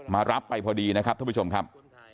รับไปพอดีนะครับท่านผู้ชมครับ